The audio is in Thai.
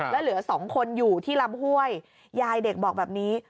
แล้วเหลือสองคนอยู่ที่ลำห้วยยายเด็กบอกแบบนี้